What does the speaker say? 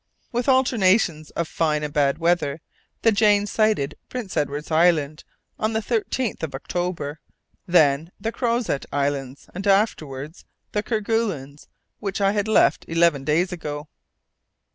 With alternations of fine and bad weather the Jane sighted Prince Edward's Island on the 13th of October, then the Crozet Islands, and afterwards the Kerguelens, which I had left eleven days ago.